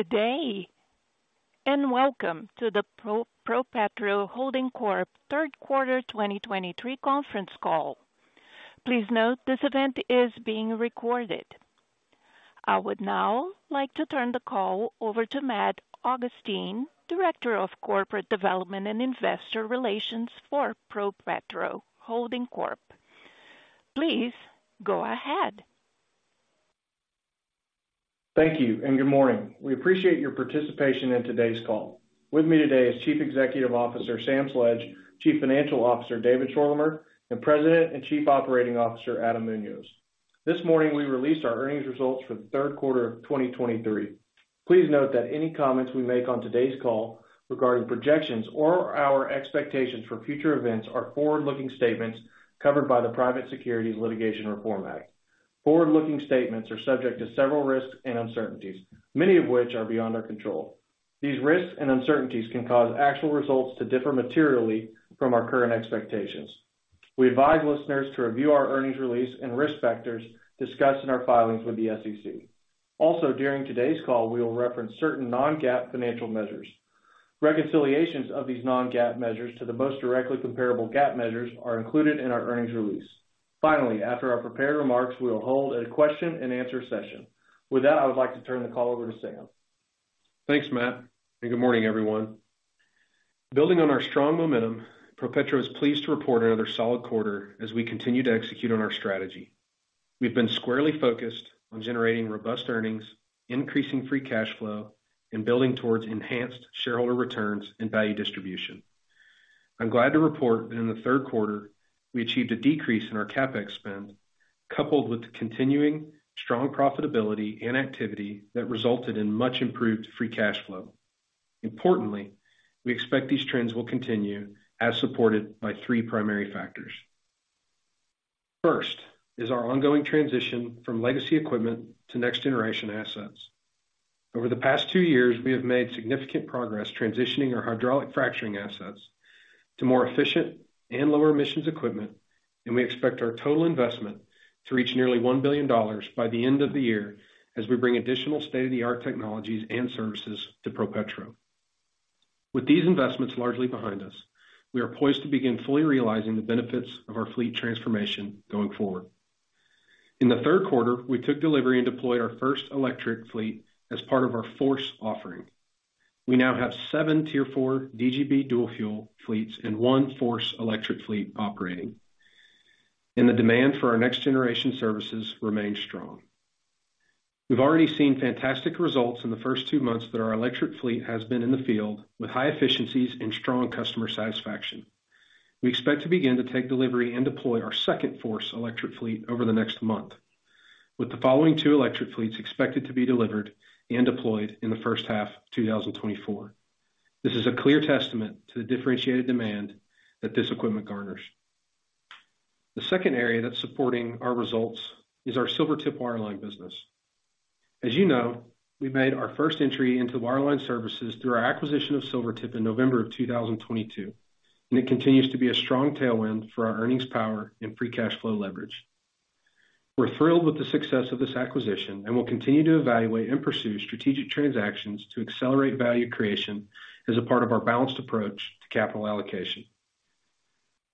Good day, and welcome to the ProPetro Holding Corp. Third Quarter 2023 conference call. Please note this event is being recorded. I would now like to turn the call over to Matt Augustine, Director of Corporate Development and Investor Relations for ProPetro Holding Corp. Please go ahead. Thank you, and good morning. We appreciate your participation in today's call. With me today is Chief Executive Officer, Sam Sledge, Chief Financial Officer, David Schorlemer, and President and Chief Operating Officer, Adam Muñoz. This morning, we released our earnings results for the third quarter of 2023. Please note that any comments we make on today's call regarding projections or our expectations for future events are forward-looking statements covered by the Private Securities Litigation Reform Act. Forward-looking statements are subject to several risks and uncertainties, many of which are beyond our control. These risks and uncertainties can cause actual results to differ materially from our current expectations. We advise listeners to review our earnings release and risk factors discussed in our filings with the SEC. Also, during today's call, we will reference certain non-GAAP financial measures. Reconciliations of these non-GAAP measures to the most directly comparable GAAP measures are included in our earnings release. Finally, after our prepared remarks, we will hold a question-and-answer session. With that, I would like to turn the call over to Sam. Thanks, Matt, and good morning, everyone. Building on our strong momentum, ProPetro is pleased to report another solid quarter as we continue to execute on our strategy. We've been squarely focused on generating robust earnings, increasing free cash flow, and building towards enhanced shareholder returns and value distribution. I'm glad to report that in the third quarter, we achieved a decrease in our CapEx spend, coupled with the continuing strong profitability and activity that resulted in much improved free cash flow. Importantly, we expect these trends will continue as supported by three primary factors. First, is our ongoing transition from legacy equipment to next generation assets. Over the past two years, we have made significant progress transitioning our hydraulic fracturing assets to more efficient and lower emissions equipment, and we expect our total investment to reach nearly $1 billion by the end of the year as we bring additional state-of-the-art technologies and services to ProPetro. With these investments largely behind us, we are poised to begin fully realizing the benefits of our fleet transformation going forward. In the third quarter, we took delivery and deployed our first electric fleet as part of our FORCE offering. We now have seven Tier IV DGB dual-fuel fleets and one FORCE electric fleet operating, and the demand for our next generation services remains strong. We've already seen fantastic results in the first two months that our electric fleet has been in the field, with high efficiencies and strong customer satisfaction. We expect to begin to take delivery and deploy our second FORCE electric fleet over the next month, with the following two electric fleets expected to be delivered and deployed in the first half of 2024. This is a clear testament to the differentiated demand that this equipment garners. The second area that's supporting our results is our Silvertip Wireline business. As you know, we made our first entry into wireline services through our acquisition of Silvertip in November of 2022, and it continues to be a strong tailwind for our earnings power and free cash flow leverage. We're thrilled with the success of this acquisition, and we'll continue to evaluate and pursue strategic transactions to accelerate value creation as a part of our balanced approach to capital allocation.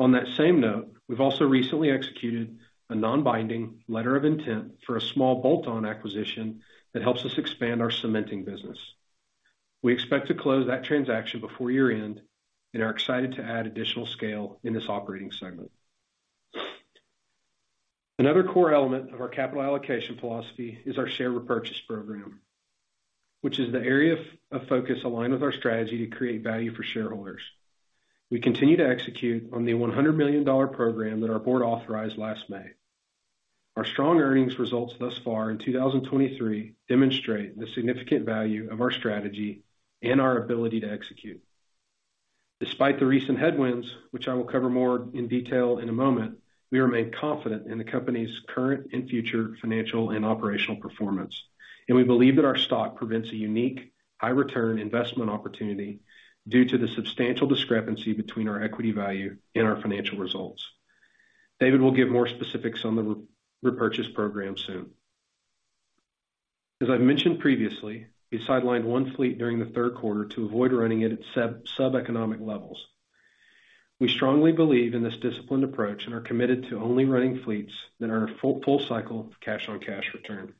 On that same note, we've also recently executed a non-binding letter of intent for a small bolt-on acquisition that helps us expand our cementing business. We expect to close that transaction before year-end and are excited to add additional scale in this operating segment. Another core element of our capital allocation philosophy is our share repurchase program, which is the area of focus aligned with our strategy to create value for shareholders. We continue to execute on the $100 million program that our board authorized last May. Our strong earnings results thus far in 2023 demonstrate the significant value of our strategy and our ability to execute. Despite the recent headwinds, which I will cover more in detail in a moment, we remain confident in the company's current and future financial and operational performance, and we believe that our stock presents a unique high return investment opportunity due to the substantial discrepancy between our equity value and our financial results. David will give more specifics on the repurchase program soon. As I've mentioned previously, we sidelined one fleet during the third quarter to avoid running it at sub, sub-economic levels. We strongly believe in this disciplined approach and are committed to only running fleets that are full, full cycle, cash-on-cash return.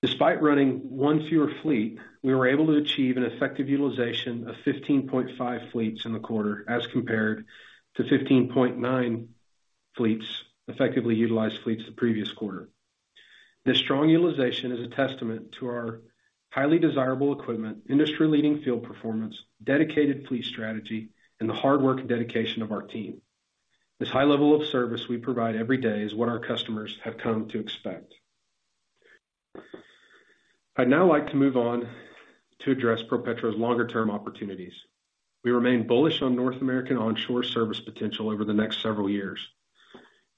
Despite running one fewer fleet, we were able to achieve an effective utilization of 15.5 fleets in the quarter, as compared to 15.9 effectively utilized fleets the previous quarter. This strong utilization is a testament to our highly desirable equipment, industry-leading field performance, dedicated fleet strategy, and the hard work and dedication of our team. This high level of service we provide every day is what our customers have come to expect. I'd now like to move on to address ProPetro's longer-term opportunities. We remain bullish on North American onshore service potential over the next several years.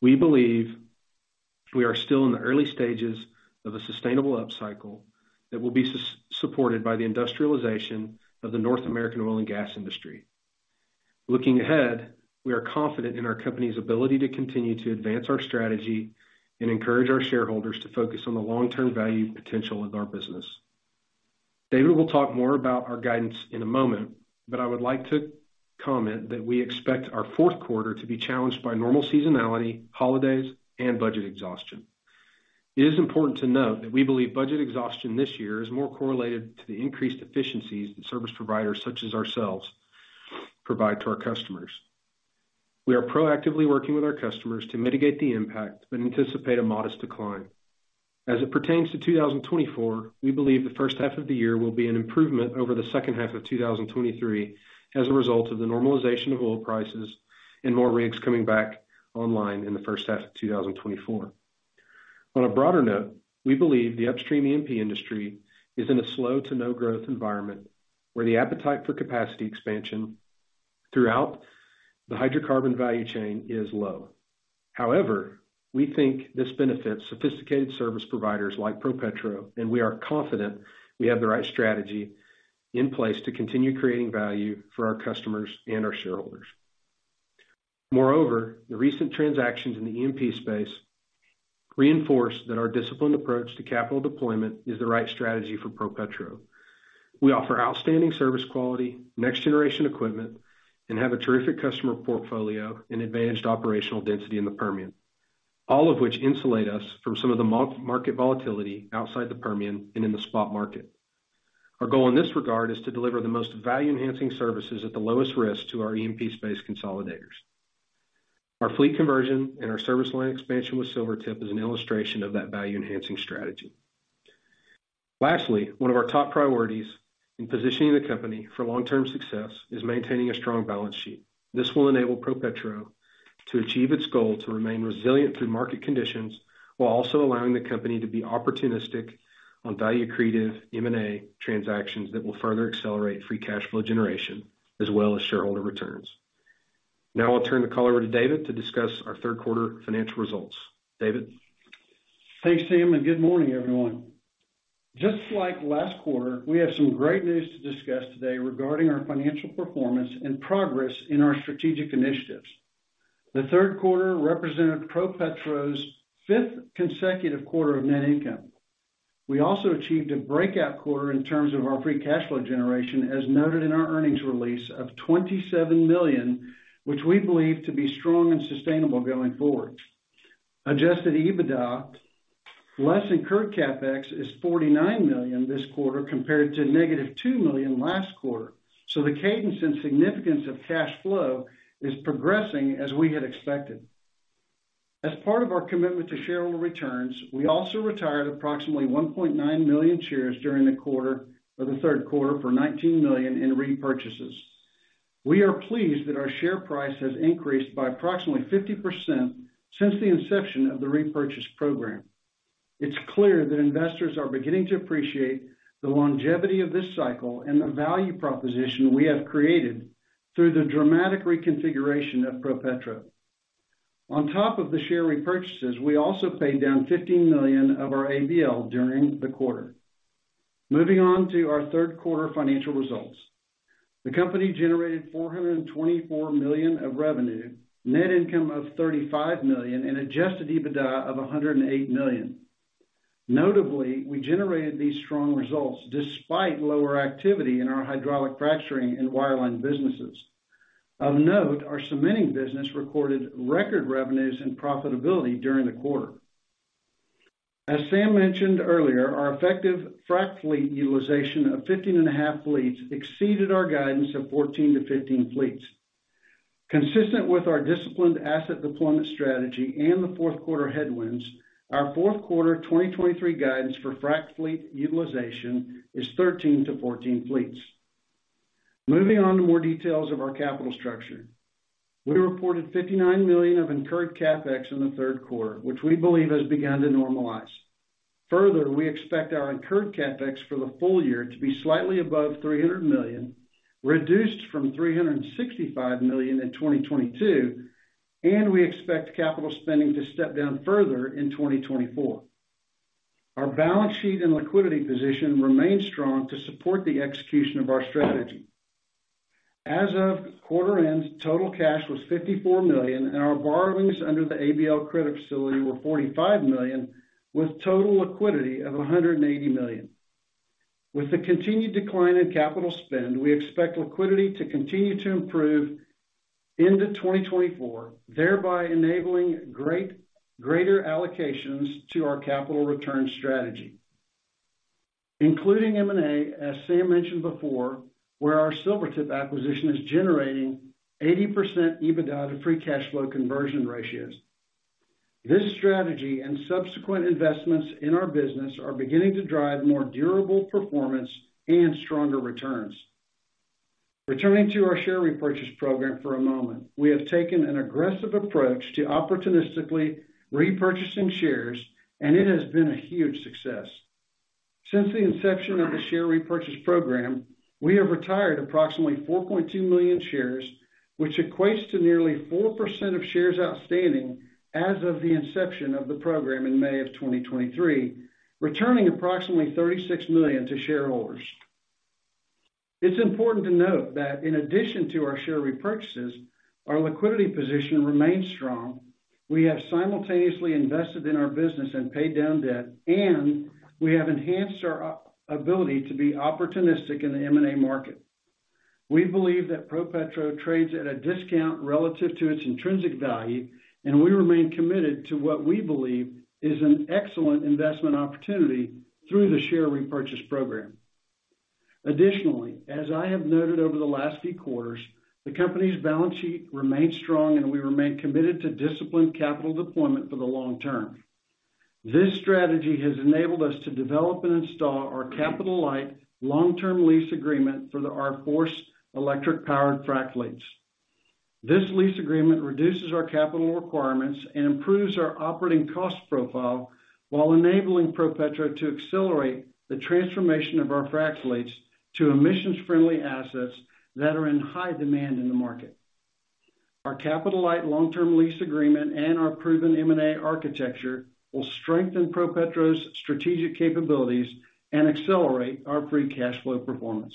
We believe we are still in the early stages of a sustainable upcycle that will be supported by the industrialization of the North American oil and gas industry. Looking ahead, we are confident in our company's ability to continue to advance our strategy and encourage our shareholders to focus on the long-term value potential of our business. David will talk more about our guidance in a moment, but I would like to comment that we expect our fourth quarter to be challenged by normal seasonality, holidays, and budget exhaustion. It is important to note that we believe budget exhaustion this year is more correlated to the increased efficiencies that service providers such as ourselves provide to our customers. We are proactively working with our customers to mitigate the impact, but anticipate a modest decline. As it pertains to 2024, we believe the first half of the year will be an improvement over the second half of 2023, as a result of the normalization of oil prices and more rigs coming back online in the first half of 2024. On a broader note, we believe the upstream E&P industry is in a slow to no growth environment, where the appetite for capacity expansion throughout the hydrocarbon value chain is low. However, we think this benefits sophisticated service providers like ProPetro, and we are confident we have the right strategy in place to continue creating value for our customers and our shareholders. Moreover, the recent transactions in the E&P space reinforce that our disciplined approach to capital deployment is the right strategy for ProPetro. We offer outstanding service quality, next generation equipment, and have a terrific customer portfolio and advantaged operational density in the Permian. All of which insulate us from some of the non-Permian market volatility outside the Permian and in the spot market. Our goal in this regard is to deliver the most value-enhancing services at the lowest risk to our E&P space consolidators. Our fleet conversion and our service line expansion with Silvertip is an illustration of that value-enhancing strategy. Lastly, one of our top priorities in positioning the company for long-term success is maintaining a strong balance sheet. This will enable ProPetro to achieve its goal to remain resilient through market conditions, while also allowing the company to be opportunistic on value accretive M&A transactions that will further accelerate free cash flow generation, as well as shareholder returns. Now I'll turn the call over to David to discuss our third quarter financial results. David? Thanks, Sam, and good morning, everyone. Just like last quarter, we have some great news to discuss today regarding our financial performance and progress in our strategic initiatives. The third quarter represented ProPetro's fifth consecutive quarter of net income. We also achieved a breakout quarter in terms of our free cash flow generation, as noted in our earnings release of $27 million, which we believe to be strong and sustainable going forward. Adjusted EBITDA, less incurred CapEx, is $49 million this quarter, compared to -$2 million last quarter. So the cadence and significance of cash flow is progressing as we had expected. As part of our commitment to shareholder returns, we also retired approximately 1.9 million shares during the quarter, or the third quarter, for $19 million in repurchases. We are pleased that our share price has increased by approximately 50% since the inception of the repurchase program. It's clear that investors are beginning to appreciate the longevity of this cycle and the value proposition we have created through the dramatic reconfiguration of ProPetro. On top of the share repurchases, we also paid down $15 million of our ABL during the quarter. Moving on to our third quarter financial results. The company generated $424 million of revenue, net income of $35 million, and Adjusted EBITDA of $108 million. Notably, we generated these strong results despite lower activity in our hydraulic fracturing and wireline businesses. Of note, our cementing business recorded record revenues and profitability during the quarter. As Sam mentioned earlier, our effective frac fleet utilization of 15.5 fleets exceeded our guidance of 14 fleets-15 fleets. Consistent with our disciplined asset deployment strategy and the fourth quarter headwinds, our fourth quarter 2023 guidance for frac fleet utilization is 13 fleets-14 fleets. Moving on to more details of our capital structure. We reported $59 million of incurred CapEx in the third quarter, which we believe has begun to normalize. Further, we expect our incurred CapEx for the full year to be slightly above $300 million, reduced from $365 million in 2022, and we expect capital spending to step down further in 2024. Our balance sheet and liquidity position remain strong to support the execution of our strategy. As of quarter end, total cash was $54 million, and our borrowings under the ABL Credit Facility were $45 million, with total liquidity of $180 million. With the continued decline in capital spend, we expect liquidity to continue to improve into 2024, thereby enabling greater allocations to our capital return strategy. Including M&A, as Sam mentioned before, where our Silvertip acquisition is generating 80% EBITDA to free cash flow conversion ratios. This strategy and subsequent investments in our business are beginning to drive more durable performance and stronger returns. Returning to our share repurchase program for a moment, we have taken an aggressive approach to opportunistically repurchasing shares, and it has been a huge success. Since the inception of the share repurchase program, we have retired approximately 4.2 million shares, which equates to nearly 4% of shares outstanding as of the inception of the program in May of 2023, returning approximately $36 million to shareholders. It's important to note that in addition to our share repurchases, our liquidity position remains strong. We have simultaneously invested in our business and paid down debt, and we have enhanced our ability to be opportunistic in the M&A market. We believe that ProPetro trades at a discount relative to its intrinsic value, and we remain committed to what we believe is an excellent investment opportunity through the share repurchase program. Additionally, as I have noted over the last few quarters, the company's balance sheet remains strong, and we remain committed to disciplined capital deployment for the long term. This strategy has enabled us to develop and install our capital-light, long-term lease agreement for our FORCE electric-powered frac fleets. This lease agreement reduces our capital requirements and improves our operating cost profile, while enabling ProPetro to accelerate the transformation of our frac fleets to emissions-friendly assets that are in high demand in the market. Our capital-light, long-term lease agreement and our proven M&A architecture will strengthen ProPetro's strategic capabilities and accelerate our free cash flow performance.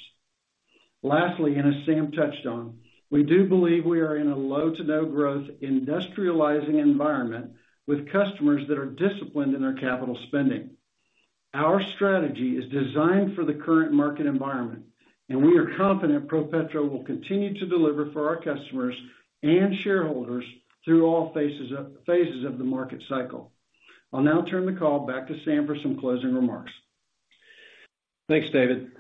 Lastly, and as Sam touched on, we do believe we are in a low to no growth industrializing environment with customers that are disciplined in their capital spending. Our strategy is designed for the current market environment, and we are confident ProPetro will continue to deliver for our customers and shareholders through all phases of the market cycle. I'll now turn the call back to Sam for some closing remarks. Thanks, David.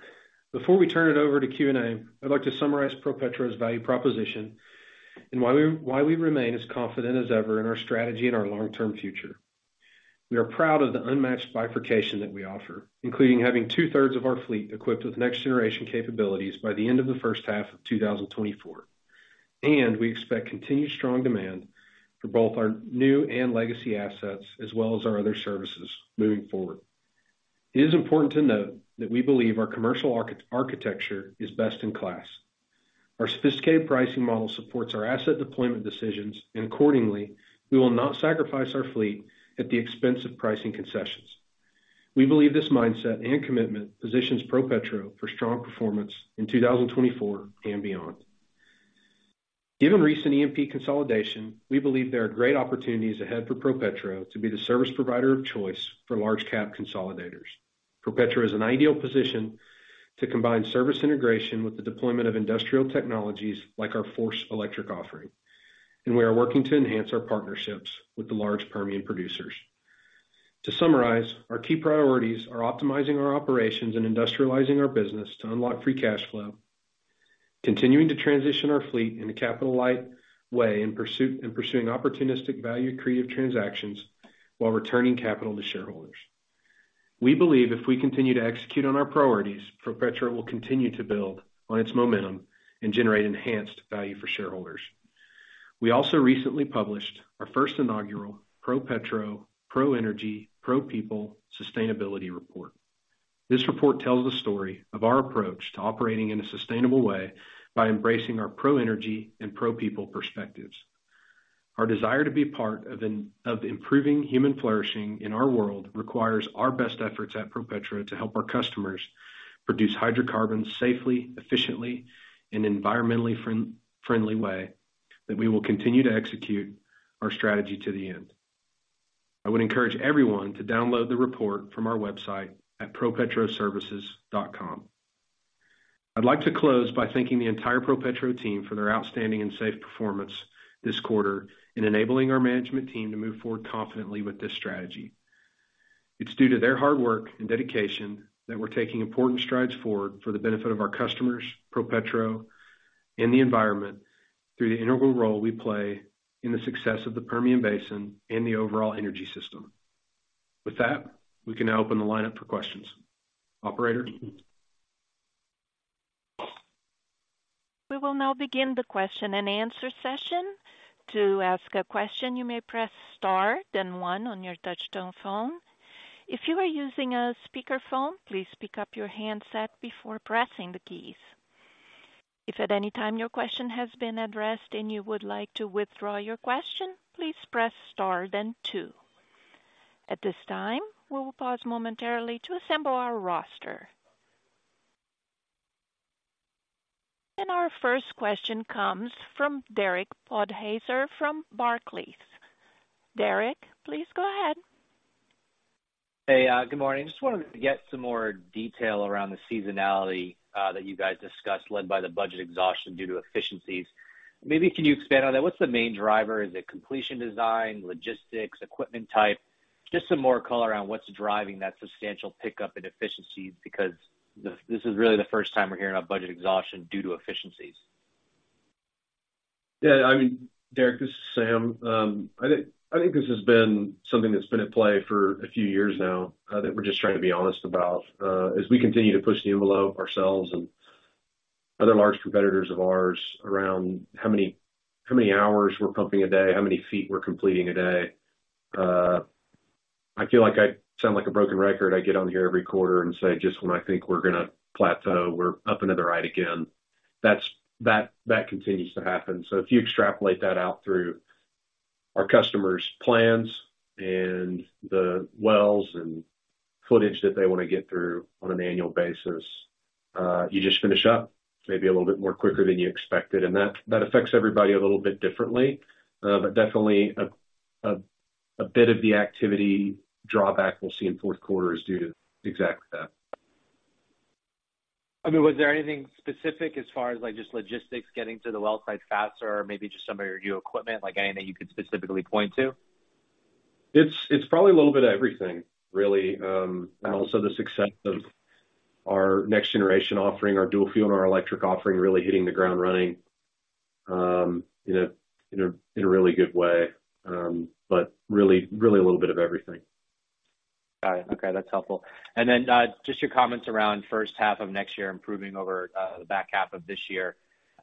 Before we turn it over to Q&A, I'd like to summarize ProPetro's value proposition and why we, why we remain as confident as ever in our strategy and our long-term future. We are proud of the unmatched bifurcation that we offer, including having two-thirds of our fleet equipped with next-generation capabilities by the end of the first half of 2024. We expect continued strong demand for both our new and legacy assets, as well as our other services moving forward. It is important to note that we believe our commercial architecture is best in class. Our sophisticated pricing model supports our asset deployment decisions, and accordingly, we will not sacrifice our fleet at the expense of pricing concessions. We believe this mindset and commitment positions ProPetro for strong performance in 2024 and beyond. Given recent E&P consolidation, we believe there are great opportunities ahead for ProPetro to be the service provider of choice for large cap consolidators. ProPetro is in ideal position to combine service integration with the deployment of industrial technologies like our FORCE electric offering, and we are working to enhance our partnerships with the large Permian producers. To summarize, our key priorities are optimizing our operations and industrializing our business to unlock free cash flow, continuing to transition our fleet in a capital light way, and pursuing opportunistic, value-accretive transactions while returning capital to shareholders. We believe if we continue to execute on our priorities, ProPetro will continue to build on its momentum and generate enhanced value for shareholders. We also recently published our first inaugural ProPetro, ProEnergy, ProPeople Sustainability Report. This report tells the story of our approach to operating in a sustainable way by embracing our ProEnergy and ProPeople perspectives. Our desire to be part of improving human flourishing in our world requires our best efforts at ProPetro to help our customers produce hydrocarbons safely, efficiently, in an environmentally friendly way that we will continue to execute our strategy to the end. I would encourage everyone to download the report from our website at propetroservices.com. I'd like to close by thanking the entire ProPetro team for their outstanding and safe performance this quarter in enabling our management team to move forward confidently with this strategy. It's due to their hard work and dedication that we're taking important strides forward for the benefit of our customers, ProPetro and the environment, through the integral role we play in the success of the Permian Basin and the overall energy system. With that, we can now open the line up for questions. Operator? We will now begin the question-and-answer session. To ask a question, you may press star, then one on your touchtone phone. If you are using a speakerphone, please pick up your handset before pressing the keys. If at any time your question has been addressed and you would like to withdraw your question, please press star then two. At this time, we will pause momentarily to assemble our roster. Our first question comes from Derek Podhaizer from Barclays. Derek, please go ahead. Hey, good morning. Just wanted to get some more detail around the seasonality that you guys discussed, led by the budget exhaustion due to efficiencies. Maybe can you expand on that? What's the main driver? Is it completion design, logistics, equipment type? Just some more color around what's driving that substantial pickup in efficiencies, because this is really the first time we're hearing about budget exhaustion due to efficiencies. Yeah, I mean, Derek, this is Sam. I think, I think this has been something that's been at play for a few years now, that we're just trying to be honest about. As we continue to push the envelope ourselves and other large competitors of ours around how many, how many hours we're pumping a day, how many feet we're completing a day. I feel like I sound like a broken record. I get on here every quarter and say, just when I think we're gonna plateau, we're up another ride again. That's. That, that continues to happen. So if you extrapolate that out through our customers' plans and the wells and footage that they wanna get through on an annual basis, you just finish up maybe a little bit more quicker than you expected, and that affects everybody a little bit differently. But definitely a bit of the activity drawback we'll see in fourth quarter is due to exactly that. I mean, was there anything specific as far as, like, just logistics getting to the well site faster or maybe just some of your new equipment, like anything that you could specifically point to? It's probably a little bit of everything, really. And also the success of our next generation offering, our dual fuel and our electric offering, really hitting the ground running, in a really good way. But really, really a little bit of everything. Got it. Okay, that's helpful. And then, just your comments around first half of next year improving over the back half of this year.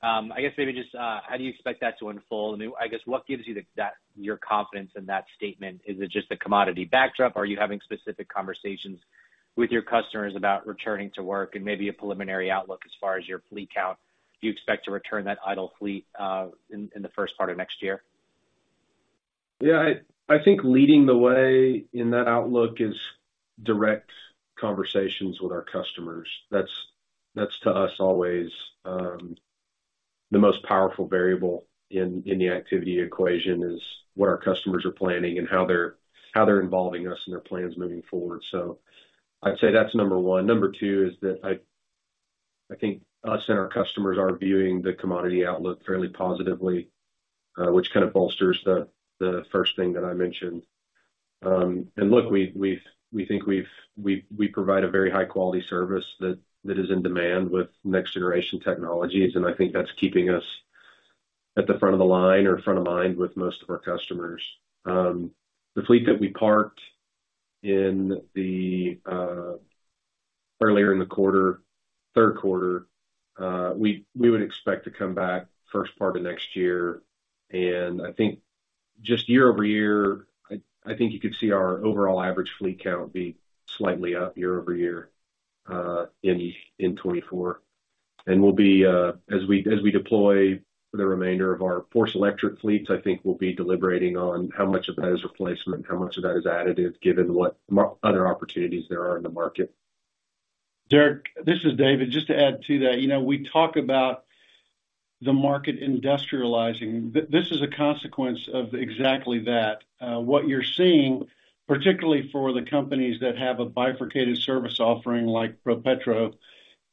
I guess maybe just how do you expect that to unfold? I mean, I guess, what gives you the, that, your confidence in that statement? Is it just the commodity backdrop, or are you having specific conversations with your customers about returning to work and maybe a preliminary outlook as far as your fleet count? Do you expect to return that idle fleet in the first part of next year? Yeah, I think leading the way in that outlook is direct conversations with our customers. That's to us always the most powerful variable in the activity equation is what our customers are planning and how they're involving us in their plans moving forward. So I'd say that's number one. Number two is that I think us and our customers are viewing the commodity outlook fairly positively, which kind of bolsters the first thing that I mentioned. And look, we think we provide a very high-quality service that is in demand with next generation technologies, and I think that's keeping us at the front of the line or front of mind with most of our customers. The fleet that we parked in the... Earlier in the quarter, third quarter, we would expect to come back first part of next year. And I think just year-over-year, I think you could see our overall average fleet count be slightly up year-over-year in 2024. And we'll be, as we deploy the remainder of our FORCE electric fleets, I think we'll be deliberating on how much of that is replacement, how much of that is additive, given what other opportunities there are in the market. Derek, this is David. Just to add to that, you know, we talk about the market industrializing. This is a consequence of exactly that. What you're seeing, particularly for the companies that have a bifurcated service offering like ProPetro,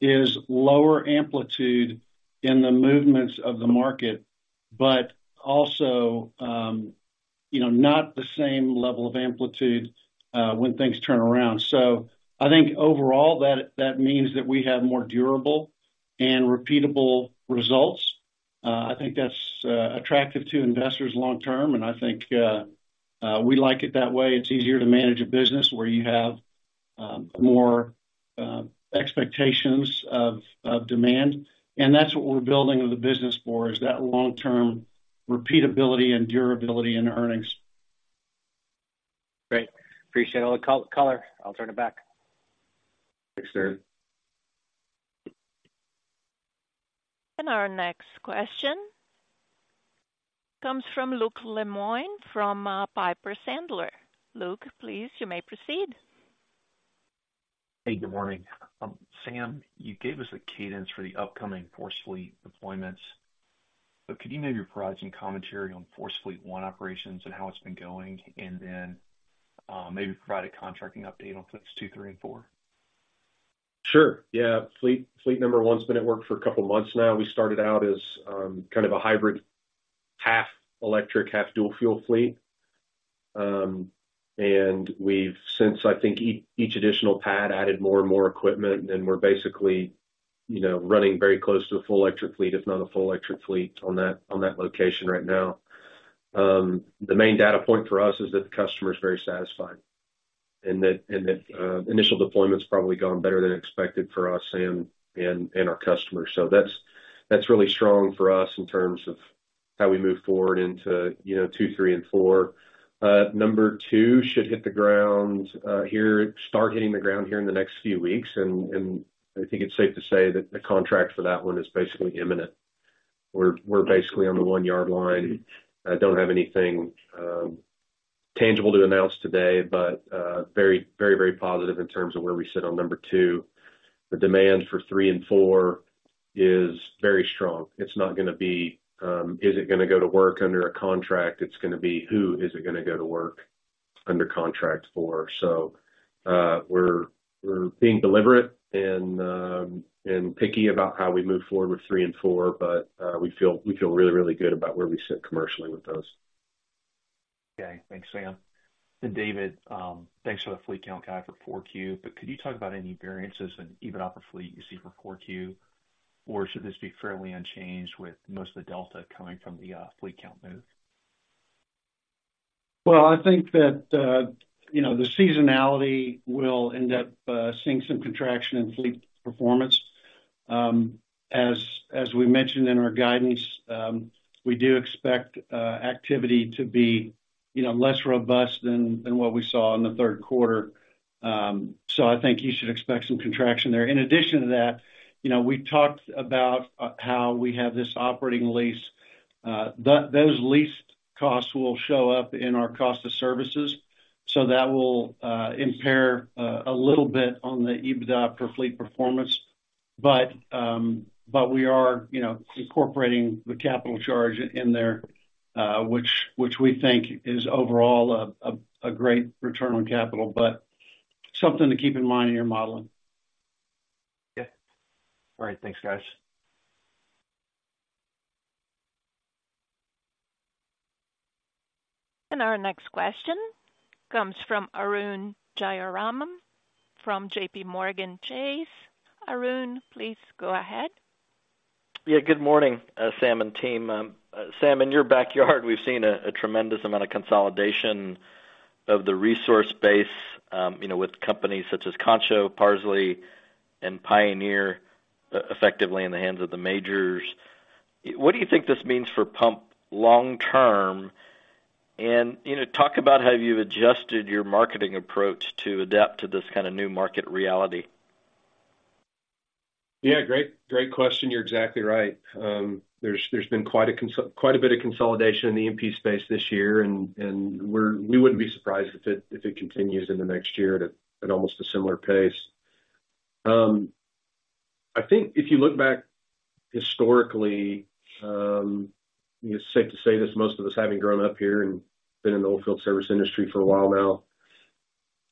is lower amplitude in the movements of the market, but also, you know, not the same level of amplitude when things turn around. So I think overall, that means that we have more durable and repeatable results. I think that's attractive to investors long term, and I think we like it that way. It's easier to manage a business where you have more expectations of demand. And that's what we're building the business for, is that long-term repeatability and durability in earnings. Great. Appreciate all the color. I'll turn it back. Thanks, Derek. Our next question comes from Luke Lemoine, from Piper Sandler. Luke, please, you may proceed. Hey, good morning. Sam, you gave us a cadence for the upcoming FORCE fleet deployments, but could you maybe provide some commentary on FORCE Fleet 1 operations and how it's been going? And then, maybe provide a contracting update on Fleets 2, 3, and 4. Sure. Yeah. Fleet Number 1's been at work for a couple months now. We started out as kind of a hybrid, half electric, half dual fuel fleet. And we've since, I think each additional pad added more and more equipment, and we're basically, you know, running very close to a full electric fleet, if not a full electric fleet, on that location right now. The main data point for us is that the customer is very satisfied, and that initial deployment's probably gone better than expected for us and our customers. So that's really strong for us in terms of how we move forward into, you know, two, three, and four. Number two should hit the ground here... Start hitting the ground here in the next few weeks, and I think it's safe to say that the contract for that one is basically imminent. We're basically on the one-yard line. I don't have anything tangible to announce today, but very, very, very positive in terms of where we sit on number two. The demand for three and four is very strong. It's not gonna be, is it gonna go to work under a contract? It's gonna be, who is it gonna go to work under contract for? So, we're being deliberate and picky about how we move forward with three and four, but we feel, we feel really, really good about where we sit commercially with those. Okay. Thanks, Sam. Then David, thanks for the fleet count guide for 4Q. But could you talk about any variances in EBITDA per fleet you see for 4Q? Or should this be fairly unchanged, with most of the delta coming from the fleet count move? Well, I think that, you know, the seasonality will end up seeing some contraction in fleet performance. As we mentioned in our guidance, we do expect activity to be, you know, less robust than what we saw in the third quarter. So I think you should expect some contraction there. In addition to that, you know, we talked about how we have this operating lease, those lease costs will show up in our cost of services, so that will impair a little bit on the EBITDA per fleet performance. But we are, you know, incorporating the capital charge in there, which we think is overall a great return on capital. But something to keep in mind in your modeling. Yeah. All right. Thanks, guys. Our next question comes from Arun Jayaram from JPMorgan Chase. Arun, please go ahead. Yeah, good morning, Sam and team. Sam, in your backyard, we've seen a tremendous amount of consolidation of the resource base, you know, with companies such as Concho, Parsley, and Pioneer, effectively in the hands of the majors. What do you think this means for PUMP long term? And, you know, talk about how you've adjusted your marketing approach to adapt to this kind of new market reality. Yeah, great, great question. You're exactly right. There's been quite a bit of consolidation in the E&P space this year, and we wouldn't be surprised if it continues in the next year at almost a similar pace. I think if you look back historically, it's safe to say this, most of us having grown up here and been in the oilfield services industry for a while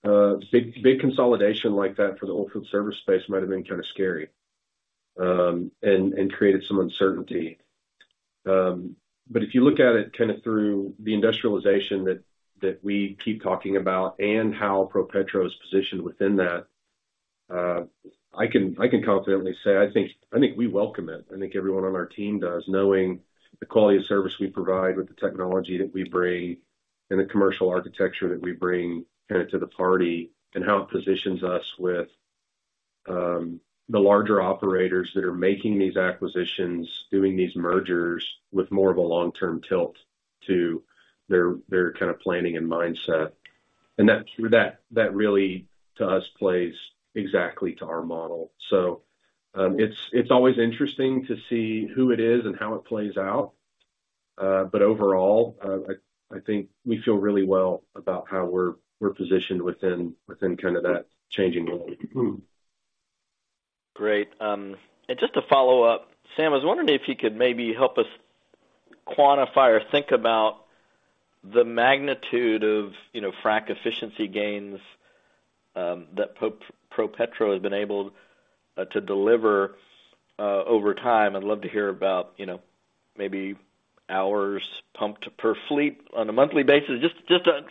now, big, big consolidation like that for the oilfield services space might have been kind of scary, and created some uncertainty. But if you look at it kind of through the industrialization that we keep talking about and how ProPetro is positioned within that, I can confidently say, I think we welcome it. I think everyone on our team does, knowing the quality of service we provide, with the technology that we bring, and the commercial architecture that we bring kind of to the party, and how it positions us with the larger operators that are making these acquisitions, doing these mergers with more of a long-term tilt to their kind of planning and mindset. And that really, to us, plays exactly to our model. So, it's always interesting to see who it is and how it plays out. But overall, I think we feel really well about how we're positioned within kind of that changing world. Great. And just to follow up, Sam, I was wondering if you could maybe help us quantify or think about the magnitude of, you know, frac efficiency gains that ProPetro has been able to deliver over time. I'd love to hear about, you know, maybe hours pumped per fleet on a monthly basis, just to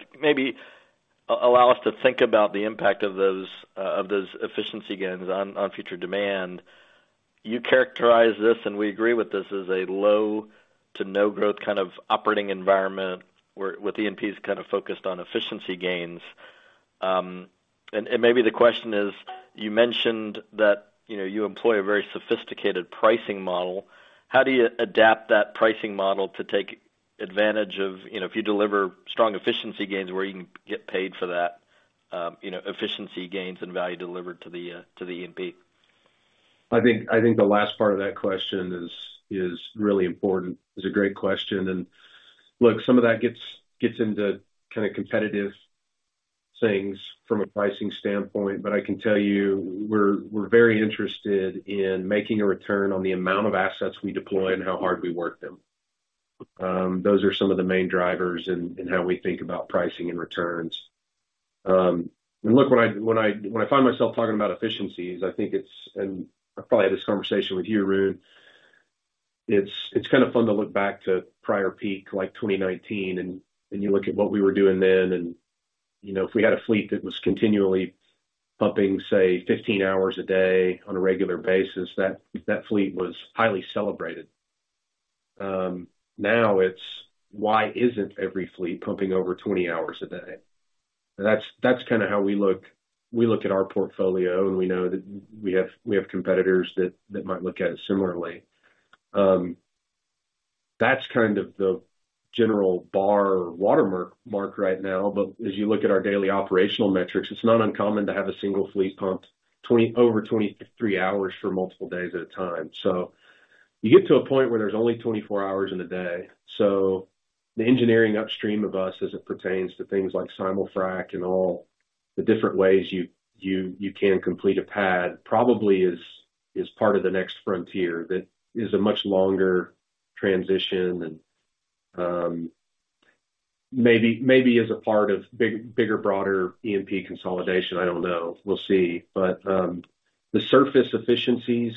allow us to think about the impact of those efficiency gains on future demand. You characterize this, and we agree with this, as a low to no growth kind of operating environment where with E&P kind of focused on efficiency gains. And maybe the question is, you mentioned that, you know, you employ a very sophisticated pricing model. How do you adapt that pricing model to take advantage of, you know, if you deliver strong efficiency gains, where you can get paid for that, you know, efficiency gains and value delivered to the, to the E&P? I think the last part of that question is really important. It's a great question, and look, some of that gets into kind of competitive things from a pricing standpoint, but I can tell you, we're very interested in making a return on the amount of assets we deploy and how hard we work them. Those are some of the main drivers in how we think about pricing and returns. And look, when I find myself talking about efficiencies, I think it's, I probably had this conversation with you, Arun. It's kind of fun to look back to prior peak, like 2019, and you look at what we were doing then, and you know, if we had a fleet that was continually pumping, say, 15 hours a day on a regular basis, that fleet was highly celebrated. Now it's why isn't every fleet pumping over 20 hours a day? And that's kind of how we look. We look at our portfolio, and we know that we have competitors that might look at it similarly. That's kind of the general bar watermark right now. But as you look at our daily operational metrics, it's not uncommon to have a single fleet pump over 23 hours for multiple days at a time. So you get to a point where there's only 24 hours in a day. So the engineering upstream of us, as it pertains to things like simul-frac and all the different ways you can complete a pad, probably is part of the next frontier that is a much longer transition and, maybe is a part of bigger, broader E&P consolidation. I don't know. We'll see. But, the surface efficiencies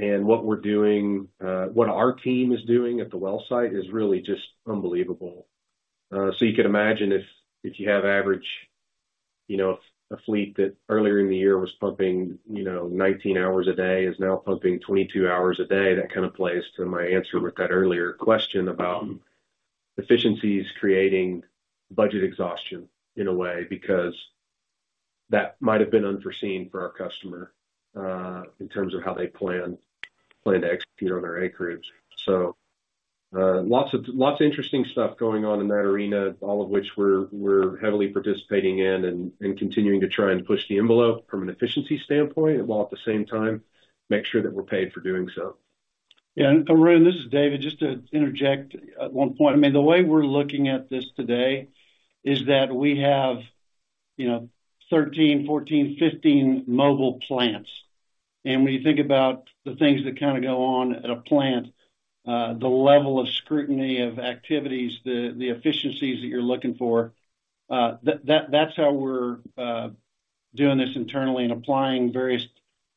and what we're doing, what our team is doing at the well site is really just unbelievable. So you can imagine if you have average, you know, a fleet that earlier in the year was pumping, you know, 19 hours a day, is now pumping 22 hours a day, that kind of plays to my answer with that earlier question about efficiencies creating budget exhaustion in a way, because that might have been unforeseen for our customer, in terms of how they plan to execute on their acreage. So, lots of interesting stuff going on in that arena, all of which we're heavily participating in and continuing to try and push the envelope from an efficiency standpoint, while at the same time, make sure that we're paid for doing so. Yeah, and Arun, this is David. Just to interject at one point. I mean, the way we're looking at this today is that we have, you know, 13, 14, 15 mobile plants. When you think about the things that kind of go on at a plant, the level of scrutiny of activities, the efficiencies that you're looking for, that's how we're doing this internally and applying various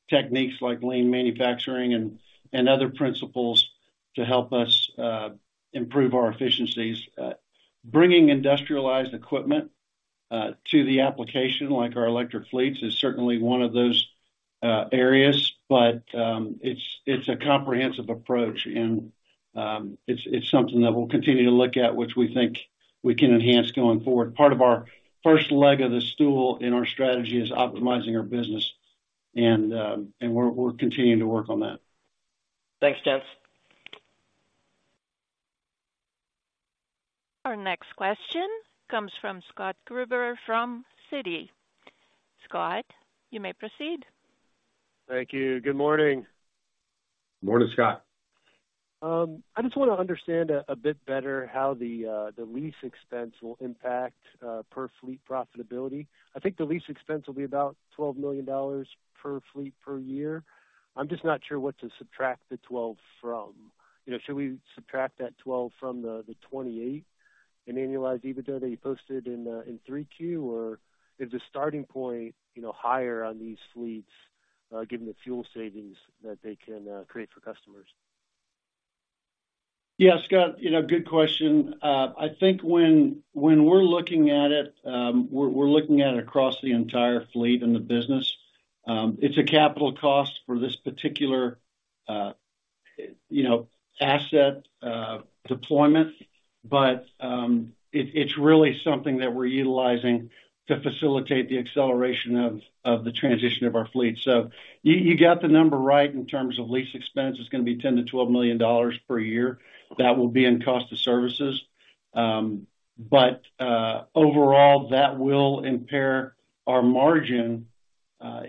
techniques like lean manufacturing and other principles to help us improve our efficiencies. Bringing industrialized equipment to the application, like our electric fleets, is certainly one of those areas, but it's a comprehensive approach, and it's something that we'll continue to look at, which we think we can enhance going forward. Part of our first leg of the stool in our strategy is optimizing our business, and we're continuing to work on that. Thanks, gents. Our next question comes from Scott Gruber, from Citi. Scott, you may proceed. Thank you. Good morning. Morning, Scott. I just want to understand a bit better how the lease expense will impact per fleet profitability. I think the lease expense will be about $12 million/fleet/year. I'm just not sure what to subtract the 12 from. You know, should we subtract that 12 from the 28 in annualized EBITDA that you posted in 3Q? Or is the starting point, you know, higher on these fleets given the fuel savings that they can create for customers? Yeah, Scott, you know, good question. I think when we're looking at it, we're looking at it across the entire fleet in the business. It's a capital cost for this particular, you know, asset, deployment. But, it, it's really something that we're utilizing to facilitate the acceleration of the transition of our fleet. So you got the number right in terms of lease expense. It's gonna be $10 million-$12 million per year. That will be in cost to services. But, overall, that will impair our margin,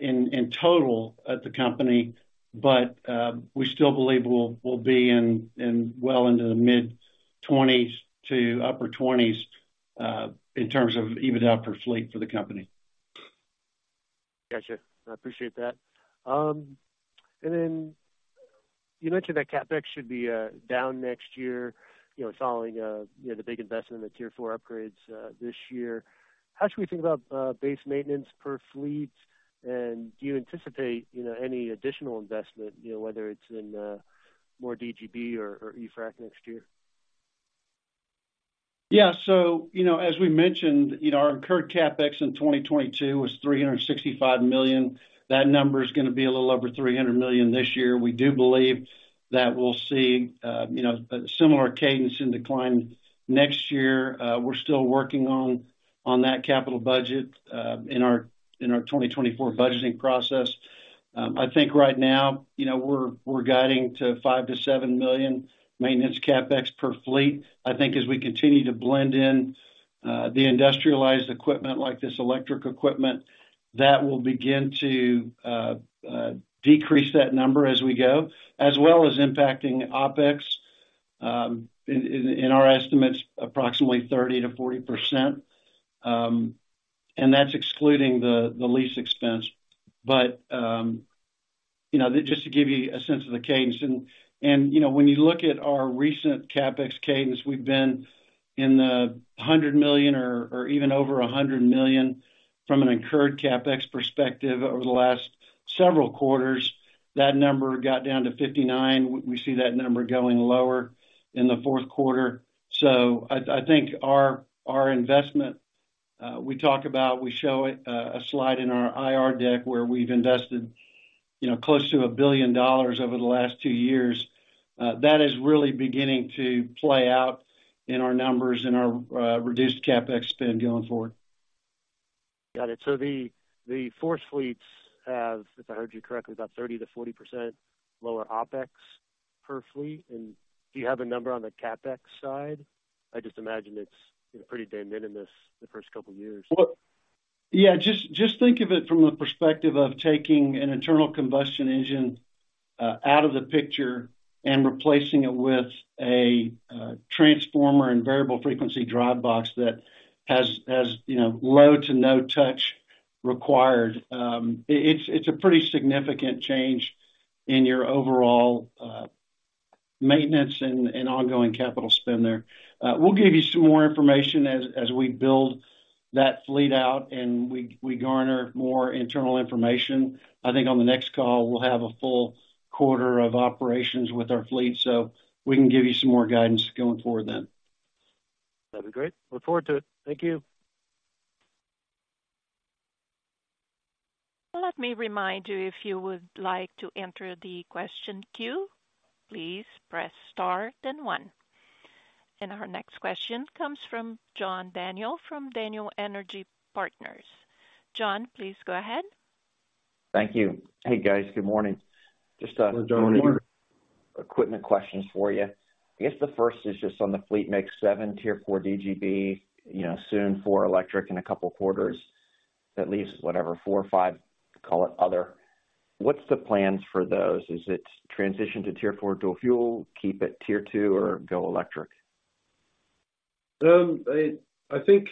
in total at the company. But, we still believe we'll be in well into the mid-20s to upper 20s, in terms of EBITDA per fleet for the company. Gotcha. I appreciate that. And then you mentioned that CapEx should be down next year, you know, following, you know, the big investment in the Tier IV upgrades this year. How should we think about base maintenance per fleet? And do you anticipate, you know, any additional investment, you know, whether it's in more DGB or E-frac next year? Yeah. So, you know, as we mentioned, you know, our incurred CapEx in 2022 was $365 million. That number is gonna be a little over $300 million this year. We do believe that we'll see, you know, a similar cadence in decline next year. We're still working on that capital budget in our 2024 budgeting process. I think right now, you know, we're guiding to $5 million-$7 million maintenance CapEx per fleet. I think as we continue to blend in the industrialized equipment, like this electric equipment, that will begin to decrease that number as we go, as well as impacting OpEx in our estimates, approximately 30%-40%. And that's excluding the lease expense. But you know, just to give you a sense of the cadence. And you know, when you look at our recent CapEx cadence, we've been in the $100 million or even over $100 million from an incurred CapEx perspective over the last several quarters. That number got down to $59 million. We see that number going lower in the fourth quarter. So I think our investment, we talk about, we show it a slide in our IR deck, where we've invested, you know, close to $1 billion over the last two years. That is really beginning to play out in our numbers and our reduced CapEx spend going forward. Got it. So the FORCE fleets have, if I heard you correctly, about 30%-40% lower OpEx per fleet. And do you have a number on the CapEx side? I just imagine it's, you know, pretty de minimis the first couple of years. Well, yeah, just, just think of it from the perspective of taking an internal combustion engine out of the picture and replacing it with a transformer and variable frequency drive box that has, has, you know, low to no touch required. It's a pretty significant change in your overall maintenance and, and ongoing capital spend there. We'll give you some more information as, as we build that fleet out and we, we garner more internal information. I think on the next call, we'll have a full quarter of operations with our fleet, so we can give you some more guidance going forward then. That'd be great. Look forward to it. Thank you. Well, let me remind you, if you would like to enter the question queue, please press star, then one. Our next question comes from John Daniel from Daniel Energy Partners. John, please go ahead. Thank you. Hey, guys, good morning. Good morning. Just, equipment questions for you. I guess the first is just on the fleet mix, 7 Tier IV DGB, you know, soon four electric in a couple of quarters, at least, whatever, four or five, call it other. What's the plans for those? Is it transition to Tier IV dual fuel, keep it Tier II, or go electric? I think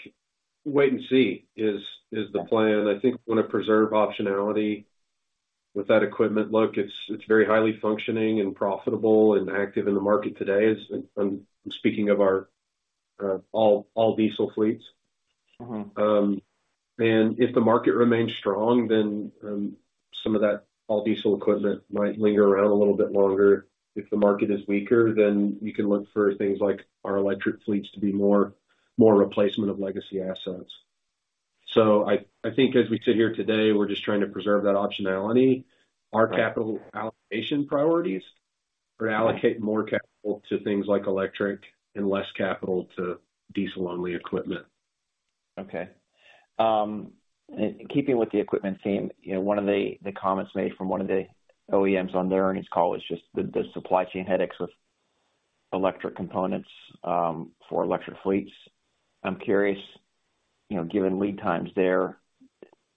wait and see is the plan. I think we want to preserve optionality with that equipment. Look, it's very highly functioning and profitable and active in the market today. As I'm speaking of our all diesel fleets. Mm-hmm. And if the market remains strong, then some of that all diesel equipment might linger around a little bit longer. If the market is weaker, then you can look for things like our electric fleets to be more replacement of legacy assets. So I think as we sit here today, we're just trying to preserve that optionality. Right. Our capital allocation priorities are to allocate more capital to things like electric and less capital to diesel-only equipment. Okay. Keeping with the equipment theme, you know, one of the comments made from one of the OEMs on their earnings call is just the supply chain headaches with electric components for electric fleets. I'm curious, you know, given lead times there,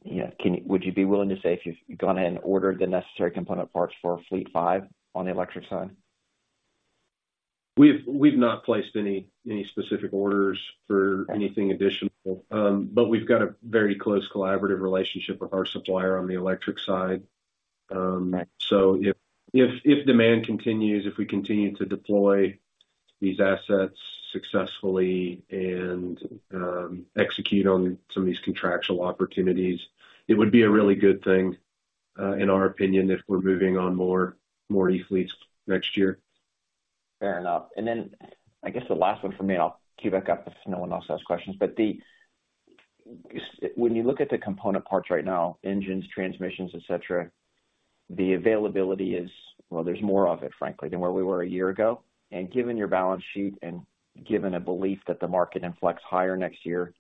you know, can you, would you be willing to say if you've gone in and ordered the necessary component parts for fleet 5 on the electric side? We've not placed any specific orders for anything additional. But we've got a very close collaborative relationship with our supplier on the electric side. Right. So if demand continues, if we continue to deploy these assets successfully and execute on some of these contractual opportunities, it would be a really good thing, in our opinion, if we're moving on more e-fleets next year. Fair enough. And then I guess the last one for me, and I'll queue back up if no one else has questions, but when you look at the component parts right now, engines, transmissions, et cetera, the availability is, well, there's more of it, frankly, than where we were a year ago. And given your balance sheet and given a belief that the market inflects higher next year,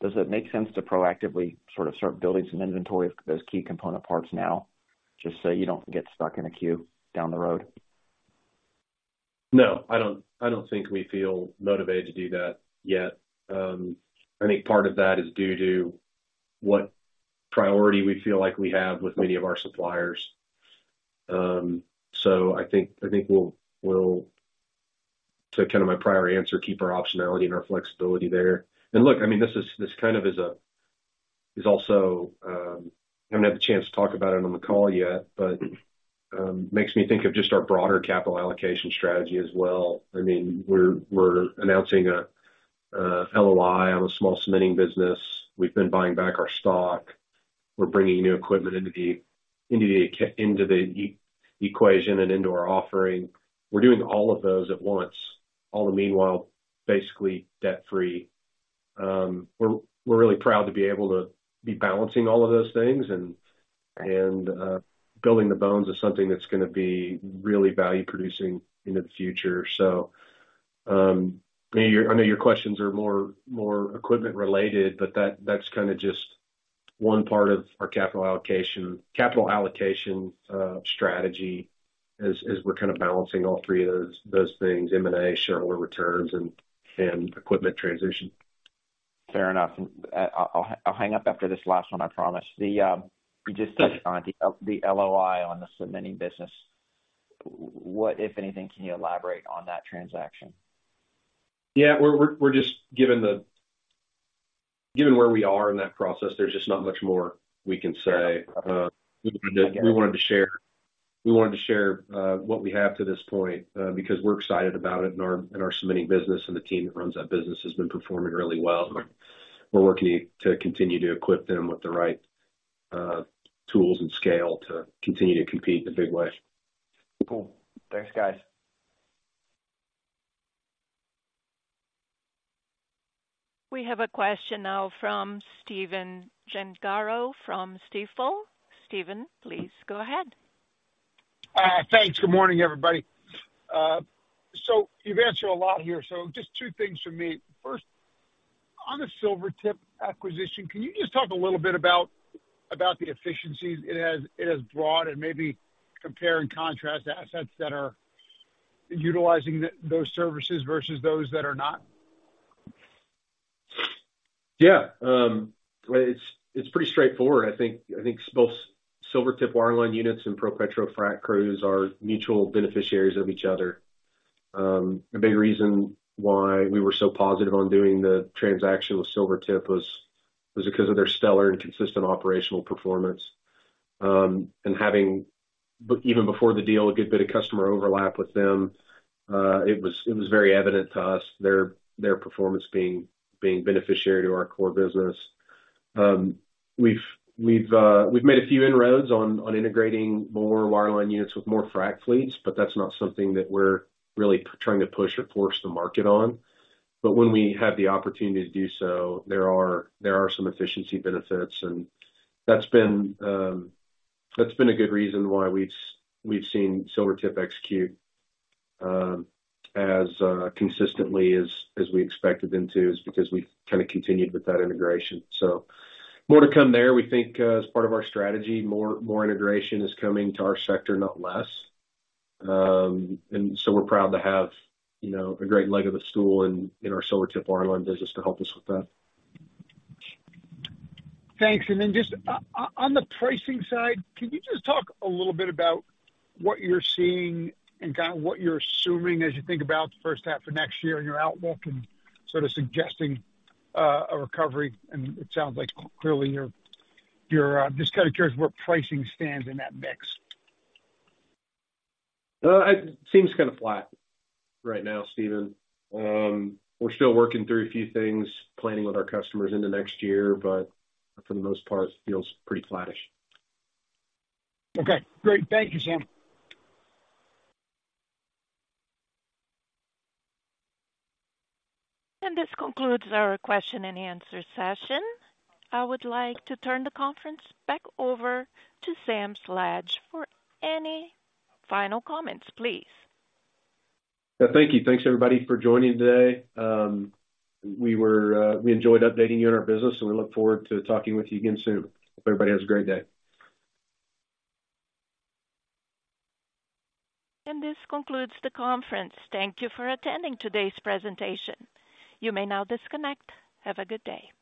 does it make sense to proactively sort of start building some inventory of those key component parts now, just so you don't get stuck in a queue down the road? No, I don't think we feel motivated to do that yet. I think part of that is due to what priority we feel like we have with many of our suppliers. So I think we'll, to kind of my prior answer, keep our optionality and our flexibility there. And look, I mean, this kind of is also, I haven't had the chance to talk about it on the call yet, but makes me think of just our broader capital allocation strategy as well. I mean, we're announcing a LOI on a small cementing business. We've been buying back our stock. We're bringing new equipment into the equation and into our offering. We're doing all of those at once, all the meanwhile, basically debt-free. We're really proud to be able to be balancing all of those things and building the bones of something that's going to be really value producing into the future. So, I know your questions are more equipment related, but that's kind of just one part of our capital allocation. Capital allocation strategy, as we're kind of balancing all three of those things, M&A, shareholder returns, and equipment transition. Fair enough. I'll hang up after this last one, I promise. You just touched on the LOI on the cementing business. What, if anything, can you elaborate on that transaction? Yeah, we're just given where we are in that process, there's just not much more we can say. Yeah. We wanted to share what we have to this point, because we're excited about it and our cementing business and the team that runs that business has been performing really well. We're working to continue to equip them with the right tools and scale to continue to compete in a big way. Cool. Thanks, guys. We have a question now from Stephen Gengaro, from Stifel. Steven, please go ahead. Thanks. Good morning, everybody. So you've answered a lot here, so just two things from me. First, on the Silvertip acquisition, can you just talk a little bit about the efficiencies it has brought and maybe compare and contrast the assets that are utilizing those services versus those that are not? Yeah, it's pretty straightforward. I think both Silvertip Wireline units and ProPetro frac crews are mutual beneficiaries of each other. A big reason why we were so positive on doing the transaction with Silvertip was because of their stellar and consistent operational performance. And having even before the deal, a good bit of customer overlap with them, it was very evident to us, their performance being beneficial to our core business. We've made a few inroads on integrating more wireline units with more frac fleets, but that's not something that we're really trying to push or force the market on. But when we have the opportunity to do so, there are some efficiency benefits, and that's been a good reason why we've seen Silvertip execute as consistently as we expected them to, is because we've kind of continued with that integration. So more to come there. We think, as part of our strategy, more integration is coming to our sector, not less. And so we're proud to have, you know, a great leg of the stool in our Silvertip wireline business to help us with that. Thanks. Then just on the pricing side, can you just talk a little bit about what you're seeing and kind of what you're assuming as you think about the first half of next year and your outlook and sort of suggesting a recovery? And it sounds like clearly you're. I'm just kind of curious where pricing stands in that mix. It seems kind of flat right now, Stephen. We're still working through a few things, planning with our customers into next year, but for the most part, it feels pretty flattish. Okay, great. Thank you, Sam. This concludes our question and answer session. I would like to turn the conference back over to Sam Sledge for any final comments, please. Yeah, thank you. Thanks, everybody, for joining today. We enjoyed updating you on our business, and we look forward to talking with you again soon. Hope everybody has a great day. This concludes the conference. Thank you for attending today's presentation. You may now disconnect. Have a good day.